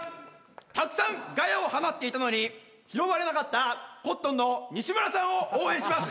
たくさんガヤを放っていたのに拾われなかったコットンの西村さんを応援します。